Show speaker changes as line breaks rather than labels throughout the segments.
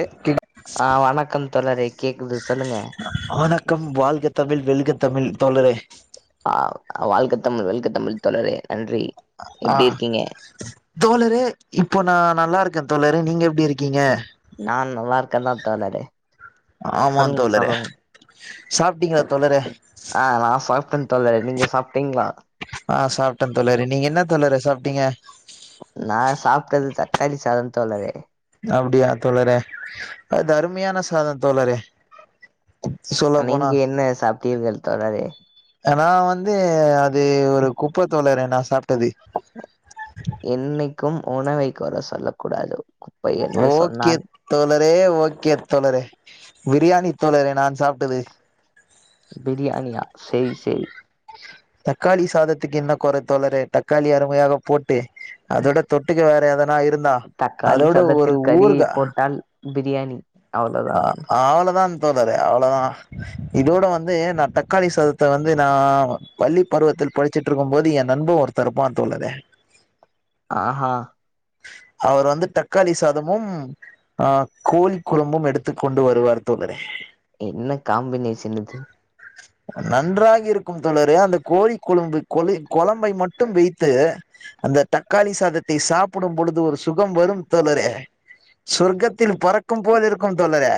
எ கிட்
ஆ வணக்கம் தோழரே கேக்குது சொல்லுங்க.
வணக்கம் வாழ்க தமிழ் வெல்க தமிழ் தோழரே
ஆ வாழ்க தமிழ் வெல்க தமிழ் தோழரே நன்றி
ஆ
எப்டி இருக்கீங்க
தோழரே இப்போ நா நல்லா இருக்கே தோழரே நீங்க எப்டி இருக்கீங்க?
நான் வா்க்கந்தா தோழரே
ஆமா
சொல்லுங்
தோழரே
சொல்லுங்
சாப்ட்டீங்களா தோழரே
ஆ நா சாப்டங் தோழரே நீங்க சாப்டீங்களா
ஆ சாப்டந் தோழரே நீங்க என்ன தோழரே சாப்டீங்க
பக்கது தக்காளி சாதம் தோழரே
அப்படியா தோழரே அது அருமையான சாதம் தோழரே சொல்ல போனா
நீங்க என்ன சாப்டீர்கள் தோழரே
நா வந்து து ஒரு குப்ப தோழரே நா சாப் ட்டது
என்னைக் என்னைக்கும் உணவை கொற சொல்ல கூடாது குப்பை என்று
ஓகே
சொன்னான்
தோழரே ஓகே தோழரே பிரியாணி தோழரே நான் சாப்டது
பிரியாணியா சேரி சேரி
தக்காளி சாதத்துக்கு என்ன கொற தோழரே தக்காளி அருமையாக போட்டு அதோட தொட்டுக்க வேற எதனா இருந்தா
தக்காளி
அதோட ஒரு
சாதத்தில் கறி
ஊறுகா
போட்டால் பிரியாணி அவ்ளோதா
ஆ அவ்ளதான் தோழரே அவ்ளதா இதோட வந்து நா தக்காளி சாதத்த வந்து நா பள்ளி பருவத்தில் படிச்சிட்டிருக்கும் போது எ நண்ப ஒருத்த இருப்பா தோழரே
ஆ
அவர் வந்து தக்காளி சாதமும் ஆ கோல் கொழபும் எடுத்துக் கொண்டு வருவார் தோழரே
என்ன காம்பினேஷன் இது
நன்றாக இருக்கும் தோழரே அந்த கோழி கொழும்பு கொழி கொழம்பை மட்டும் வெயித்து அந்த தக்காளி சாதத்தை சாப்பிடும் பொழுது ஒரு சுகம் வரும் தோழரே சொர்க்கத்தில் பறக்கும் போல இருக்கும் தோழரே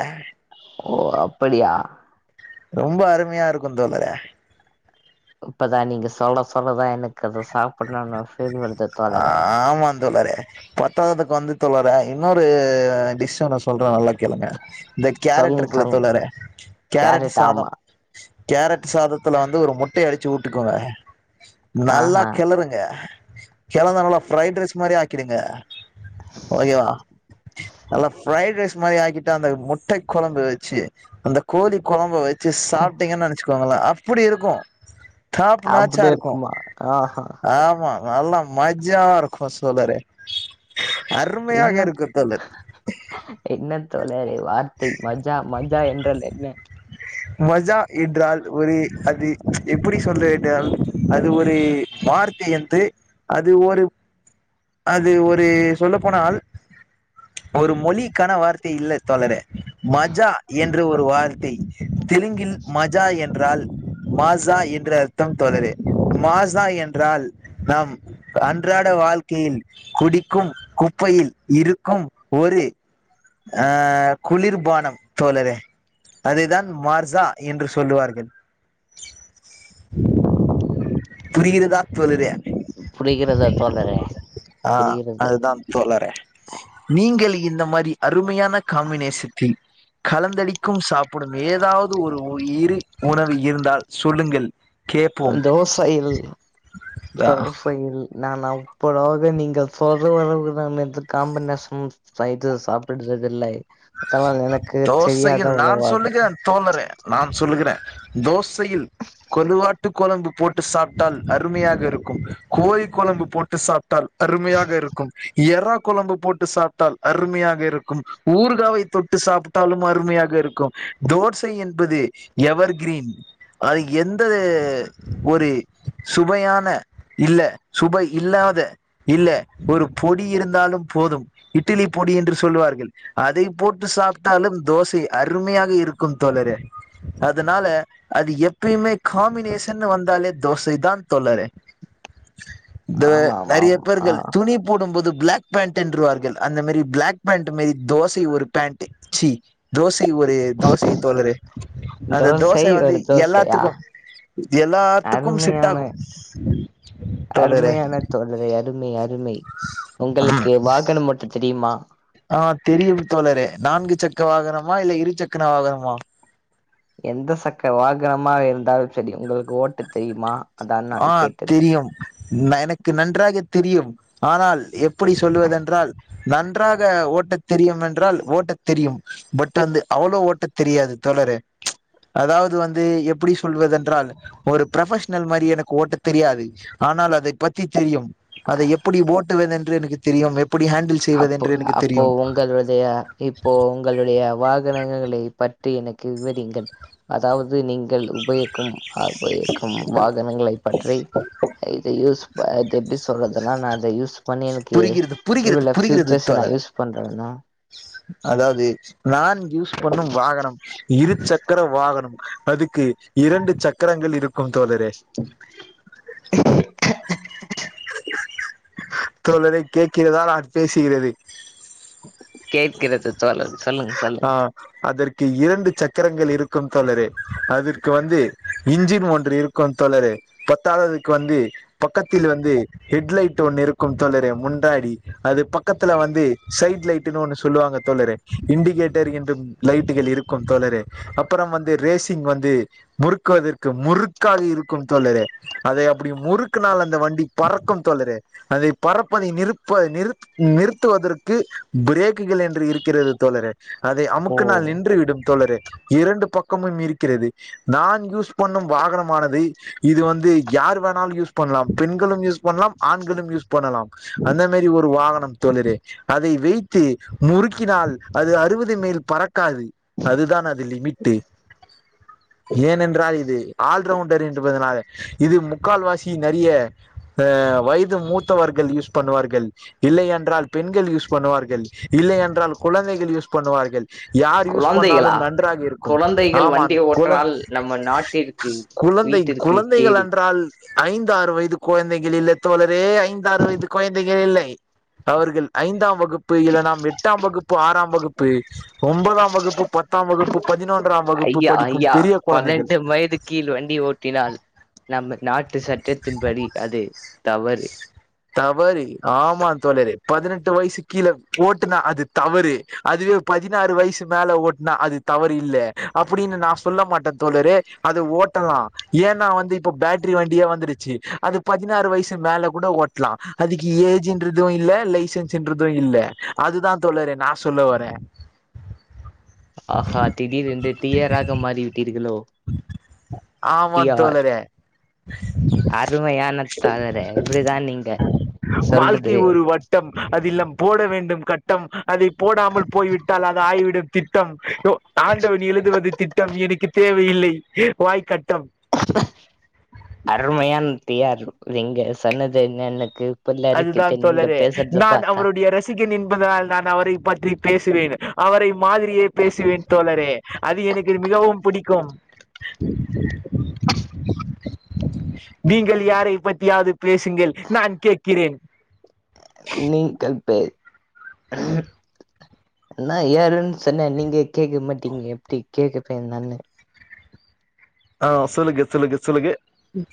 ஓ அப்படியா
ரொம்ப அருமையா இருக்குந் தோழரே
இப்பதா நீங்க சொல்ல சொல்லதா எனக் கு அத சாப்புடனும் ஆசையா வருது தோழரே
ஆமா தோழரே பத்தாததுக்கு வந்து தோழரே இன்னொரு டிஷு நா சொல்ற நல்லாக் கேளுங்க இந்த கேரட்
சொல்லுங்க
இருக்குல
சொல்லுங்க
தோழரே கேரட்டு
கேரட் ஆமா
சாதம் கேரட்டு சாதத்துல வந் து ஒரு முட்டைய அடுச்சு உட்டுக்கோங்க
ஆஆ
த கெலந்தா நல்லா ஃப்ரைடு ரைஸ் மாரி ஆக்கிடுங்க ஓகேவா நல்லா ஃப்ரைடு ரைஸ் மாரி ஆக்கிட்டா அந்த முட்டை கொழம்பு வெச்சு அந்த கோழி கொழம்ப வெச் சு சாப்டிங்குன் நெனச்சுக்கோங் நல்லா அப்புடி இருக்கு டாப்
அப்படி இருக்குமா ஆ
ஆ நல்லா மஜ்ஜாவா இருக்கு சோழரே அருமையாக
என்ன
இருக்கு தோழர்
என்ன தோழரே வார்த்தை மஜ்ஜா மஜ்ஜா என்றால் என்ன
மஜா என்றால் ஒரு அது எப்படி சொல்றது அது ஒரு வார்த்தை என்று அது ஒரு அது ஒரு சொல்ல போனால் ஒரு மொழிக்கான வார்த்தை இல்ல தோழரே மஜா என் ங்குற ஒரு வார்த்தை தெலுங்கில் மஜா என்றால் மாத் ஜா என்ற அர்த்தம் தோழரே மாஜா என்றால் நாம் அன்றாட வாழ்க் கையில் குடிக்கும் குப்பையில் இருக்கும் ஒரு அ குளிர்பானம் தோழரே அதுதான் மார்ஜா என்று சொல்லுவார்கள் புரிகிறதா தோழரே
புரிகிறதா தோழரே
ஆ
புரிகிறது
அதுதான் தோழரே நீங்கள் இந் இந்த மாரி அருமையான காம்பினேஷத்தில் கலந்தடிக்கும் சாப்புடும் ஏதாவது ஒரு இரு உணவு இருந்தால் சொல்லுங்கள் கேட்போம்
தோசையில்
ஆ
தோசையில் நான் அப்புறோ நீங்கள் சொல்ற வரவு நான் எது காம்பினேஷன் இது சாப்புடுறதில்லை
தோசையில் நான் சொல்லுகிறன் தோழரே நான் சொல்லுகிற தோசையில் கொலுவாட்டு கொழம்பு போட்டு சாப்டால் அருமையாக இருக்கும் கோழி கொழம்பு போட்டு சாப் டால் அருமையாக இருக்கும் இரா கொழம்பு போட்டு சாப்டால் அருமையாக இருக்கும் ஊர்காவை தொட்டு சாப்புட் டாலும் அருமையாக இருக்கும் தோசை என்பது எவர்கீரீன் அது எந்த ஒரு சுவையான இல்ல சுவை இல்லாத இல்ல ஒரு பொடி இருந்தாலும் போதும் இட்லி பொடி என்று சொல்வார்கள் அதை போட்டு சாப் ட்டாலும் தோசை அருமையாக இருக்கும் தோழரே அதனால அது எப்பயுமே காம்பினேஷன்னு வந்தாலே தோசை தான் தோழரே இந்த
ஆமா ஆமா
நறைய
ஆமா. ஆ
பேர்கள் துணி போடும்போது பிளாக் பேண்டு என்றுவார்கள் அந்த மாரி பிளாக் பேண்டு மாரி தோசை ஒரு பேண்ட் ச்சி தோஷ் சை ஒரு தோசை தோழரே அந்த தோச
தோசை
வந்து
ஒரு தோசையா
எல்லாத்துக்கும் எல்லாத்துக்கும் செட்ட
அருமையான
ஆகும் தோழரே
மை உங்களுக்கு வாகனம் ஓட்ட தெரியுமா
ஆ தெரியும் தோழரே நான்கு சக்கர வாகனமா இல்ல இரு சக்கர வாகனமா
எந்த சக்கர வாகனமா இருந்தாலும் செரி உங்களுக்கு ஓட்ட தெரியுமா அதான் நான்
ஆ
கேட்டது
தெரியும் நனக்கு நன்றாக தெரியும் ஆனால் எப்படி சொல்லுவதென்றால் நன்றாக ஓட்ட தெரியும் என்றால் ஓட்ட தெரியும் பட் வந்து அவ்வளோ ஓட்ட தெரியாது தோழரே அதாவது வந்து எப்படி சொல்வதென்றால் ஒரு ஃப்ரொபஷ்னல் மாரி எனக் ஓட்ட தெரியாது ஆனால் அதை பத்தி தெரியும் அதை எப்படி ஓட்டுவேன் என் எனக்கு தெரியாது
அப்போ அப்போ உங்களுடைய இப்போ உங்களுடைய வாகனங்களை பற்றி எனக்கு விவரியுங்கள் அதாவது நீங்கள் உபயோகிக்கும் அங்க இருக்கும் வாகனங்களை பற்றி இது யூஸ் அது எப்படி சொல்றதெல்லாம் நான் அதை யூஸ் பண்ணி எனக்கு
புரிகிறது
இவ்ள
புரிகிறது
ஃபியூச்சர்ஸ் நான்
தோழர்
யூஸ் பண்றேன்னா
அதாவது நான் யூஸ் பண்ணும் வாகனம் இரு சக்கர வாகனம் அதுக்கு இரண்டு சக்கரங்கள் இருக்கும் தோழரே தோழரே கேக் கிறதா பேசுக்கிறது
கேக்கறது சொல்லுங்க சொல்லுங்க
ஆ
சொல்லுங்க
அதற்கு இரண்டு சக்கரங்கள் இருக்கும் தோழரே அதற்கு வந்து இன்ஜின் ஒன்று இருக்கு தோழரே பத்தாததுக்கு வந்து பக்கத்தில் வந்து ஹெட்லைட் ஒன்னு இருக்கு தோழரே முன்னாடி அது பக்கத்துல வந்து சைட் லைட்டுன்னு ஒன்னு சொல்லுவாங்க தோழரே இண்டிகேட்டர் என்றும் லைட்டுகள் இருக்கும் தோழரே அப்பறம் வந்து ரேசிங் வந்து முறுக்குவதற்கு முறுக்காதிருக்கும் தோழரே அதை அப்டி முறுக்குனால் அந்த வண்டி பறக்கும் தோழரே அதை பறப்ப நீ நிருப்ப நிரு நிறுத்துவதற் கு பிரேக்குகள் என்று இரு க்கிறது தோழரே அதை
ஓ
அமுக்குனாள் நின்று விடும் தோழரே இரண்டு பக்கமும் இருக்கிறது நான் யூஸ் பண்ணும் வாகனமானது இது வந்து யார் வேணாலும் யூஸ் பண்லாம் பெண்களும் யூஸ் பண்லாம் ஆண்களும் யூஸ் பண்லாம் அந்த மாரி ஒரு வாகனம் தோழரே அதை வைத்து முறுக்கி கினால் அது அறுவது மைல் பறக்காது அதுதான் லிமிட்டு் ஏனென்றால் இது ஆல்ரவுண்டர் என்றுபதனால் இது முக்கால்வாசிநிறைய அ வயது மூத்தவர்கள் யூஸ் பண்ணுவார்கள் இல்லை என்றால் பெண்கள் யூஸ் பண்ணுவார்கள் இல்லயன் கொழந்தைகள் யூஸ் பண்ணுவார்கள் யார் யூஸ்
குழந்தைகளா
பண்ணாலும் நன்றாக இருக்கும்
குழந்தைகள்
ஆமா
வண்டி
கொழ
ஓட்டனால் நம்ம நாட்டிற்கு
குழந்தை
வீட்டிற்கு கேடு
குழந்தைகளன்றால் ஐந் ஆறு வயது குழந்தைகள் இல்லை தோழரே ஐந்து ஆறு வயது குழந்தைகள் இல்லை அவர்கள் ஐந்தாம் வகுப்பு இல்ல நா எட்டாம் வகுப்பு ஆறாம் வகுப்பு ஒன்பதாம் வகுப்பு பத்தா வகுப்பு பதினொன்றா வகுப்பு
ஐயா
படிக்கும்
ஐயா
பெரிய கொழந்தைகள்
பதினெட்டு இல்லை நாட்டு சட்டத்தின்படி அது தவறு
தவறி ஆமாந் தோழரே பதினெட்டு வயசு கீழ ஓட்டுனா அது தவறு அதுவே பதினாறு வயசு மேல ஓட்னா அது தவறு இல்ல அப்டினு நான் சொல்ல மாட்ட தோழரே அது ஓட்டலா ஏனா வந்து இப்ப பேட்டரி வண்டியே வந்துருச்சு அது பதினாறு வயசு மேல கூட ஓட் லா அதுக்கு ஏஜின்றது இல்ல லைசன்சுன்றது இல்ல அதுதா தோழரே நா சொல்ல வர
ஆஹா திடீரெண்டு டியாராக மாறி விட்டீர்களோ
ஆமா
தியார்
தோழரே
அருமையான தோழரே இப்புடிதான் நீங்க சொல்றது
அதில்லம் போட வேண்டும் கட்டம் அதை போடாமல் போய்விட்டால் அது ஆயிவிடும் திட்டம் யோ ஆண்டவன் எழுதுவது திட் ட்டம் எனிகித் தேவையில்லை வாய்கட்
அருமையான் தியாரு நீங்க சொன்னது என்னனக்கு
அதுதான் தோழரே நான் அவருடைய ரசிகன் என்பதனால் நான் அவரை பற்றி பேஸ் றேன் அவரை மாதிரியே பேசுவேன் தோழரே அது எனக்கு மிகவும் புடிக்கும் நீங்கள் யாரை பத்தியாவது பேசுங்கள் நான் கேக் கிறேன்
நீங்கள் பேஸ் நான் யாருன்னு சொன்னேன் நீங்க கேக்க மாட்டீங்க எப்படி கேப்பேன் நானு
ஆ சொல்லுங்க சொல்லுங்க சொல்லுங்க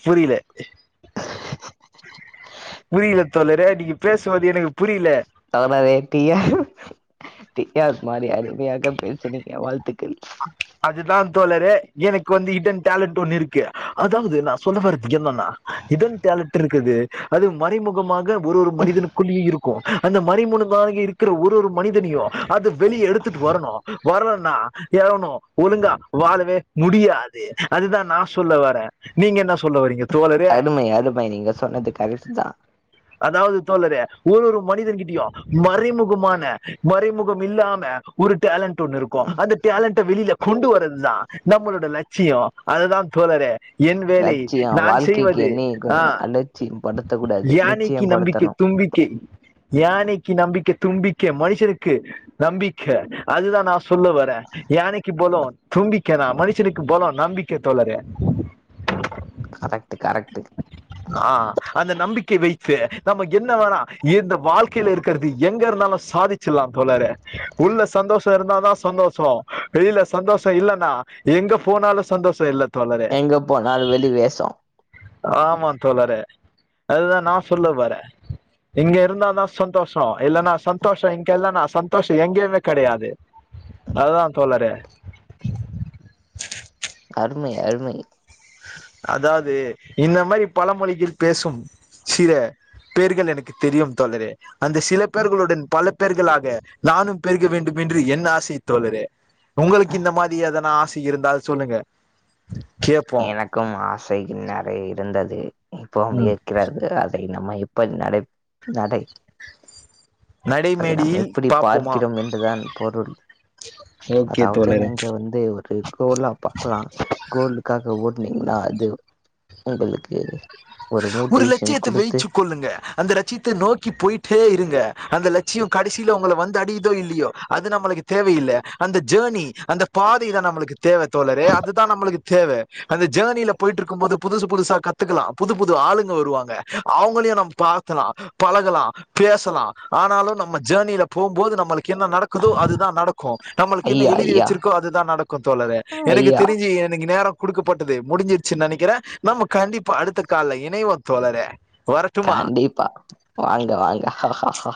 புரியில புரியில தோழரே நீங்க பேசும்வது எனக்கு புரியில
தோழரே டியார் டியார் மாதிரி அருமையாக பேசுனீங்க வாழ்த்துக்கள்
அதுதான் தோழரே எனக்கு வந்து ஹிடன் டேலண்ட் ஒண்ணு இருக்கு அதாவது நான் சொல்ல வரத் என்னன்னா ஹிடன் டேலண்ட் இருக்குது அது மறைமுகமாக ஒரு ஒரு மனிதனுக்குள்ளேயே இருக்கு அந்த மறைமுனுக்காங்கி இருக்கிற ஒரு ஒரு மனிதனியோ அது வெளிய எடுத்துட்டு வரணு வரன்னா ஏனு ஒழுங்கா வாழவே முடியாது அதுதான் நான் சொல்ல வர நீங்க என்னஸ்
அருமை அருமை நீங்க சொன்னது கரெக்ட்தா
அதாவது தோழரே ஒரு ஒரு மனிதன் கிட்டயு மறைமுகமான மறைமுகம் இல்லாம ஒரு டேலண்ட் ஒண்ணு இருக்கு அந்த டேலண்ட்ட வெளில கொண்டு வரதுதா நம்மளோட லட்சியோ அதுதான் தோழரே என் வேலை
லட்சியம்
நான்
வாழ்க்கைக்கு
செய்வது
என்ன இருக்கணும்ன்னா அலட்சியம் படுத்தக் கூடாது
இன்னிக்கு
நிச்சயம்
நம்பிக்கை
படுத்தணு
தும்பிக்கை யானைக்கு நம்பிக் கை தும்பிக்கை மனுஷனுக்கு நம்பிக்க அதுதான் நாஸ் சொல்ல வர யானைக்கு பலோ தும்பிக்கேனா மனுஷனுக்கு பலோ நம்பிக்க தோழரே
கரெக்டு கரெக்டு
அந்த நம்பிக்கை வெய் க நம்ம என்ன வேணா இந்த வாழ்க்கையில இருக்குறது எங்க இருந்தாலு சாதிச்சிடலாம் தோழரே உள்ள சந்தோஷோ இருந்தாதா சந்தோஷோ வெளியில சந்தோஷோ இல்லன்னா எங்க போனாலு சந்தோஷோ இல்லது தோழரே
எங்க போனாலு வெளி வேஷோ
ஆமாந் தோழரே அதுதான் நா சொல்ல வர இங்க இருந்தானா சந்தோஷோ இல்லனா சந்தோஷோ இங்கெல்லனா சந்தோஷோ எங்கயுமே கெடையாது அதுதான் தோழரே
அருமை அருமை
அதாவது இந்த மாரி பழ மொழியில் பேசும் சில பேர்கள் எனக்கு தெரியும் தோழரே அந்த சில பேர்களுடன் பலப் பெர்களாக நானும் பெருக வேண்டும் என்று என் ஆசை தோழரே உங்களுக்கு இந்த மாரி எதனா ஆஸ் இருந்தால் சொல்லுங்க கேப்போ
எனக்கும் ஆஸ் சைக்கள் நறைய இருந்தது இப்பவும் இருகிறது அதை நம்ம எப் இப்ப நநையப் நறை அதை நம்
நடைமேடையில்
எப்படி
பாப்போமா
பார்க்கிறோம் என்றுதான் பொருள்
ஓகே
அதாவது
தோழரே
நீங்க வந்து ஒரு கோலா பார்க்கலாம் கோலுக்காக ஓட் அப்படிங்களா அது உங்களுக்கு
ஒரு
மோட்டிவேஷன்
லட்சியத்தை
குடுத்து,
வெயிச்சுக் கொள்ளுங்க அந்த லட்சியத்த நோக்கி போயிட்டே இருங்க அந்த லச் சியோ கடைசியில உங்கள வந்து அடியுதோ இல்லையோ அது நம்மளுக்கு தேவையில்ல அந்த ஜோர்னி அந்த பாதை தான் நம்மளுக்கு தேவ தோழரே அதுதான் நம்மளுக்கு தேவ அந்த ஜோர்னியில போயிட்டு இருக்கும் போது புதுசு புதுசா கத்துக்கலா புது புது ஆளுங்க வருவாங்க அவங்களையும் நம்ம பாத்துலா பழகலா பேசலா ஆனாலு நம்ம ஜோர்னியில போகும்போது நம்மளுக் என்ன நடக்குதோ அதுதா நடக்கு நம்மளுக்கு என்ன
"ஐயா,
எழுதி
ஐயா,
வெச்சிருக்கோ அதுதான் நடக்கு தோழரே எனக்கு
ஐயா
தெரிஞ்சு எனக்கு நேரோ குடுக்கப்பட்டது முடிஞ்சிருச்சுன் நெனைக்கிற நம்ம கண்டிப் கால்ல இணைவோந் தோழரே வரட்டுமா
கண்டிப்பா வாங்க வாங்க ஆஆஆ